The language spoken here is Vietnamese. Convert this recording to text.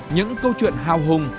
những câu chuyện hào hùng